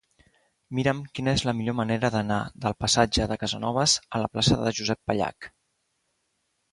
Mira'm quina és la millor manera d'anar del passatge de Casanovas a la plaça de Josep Pallach.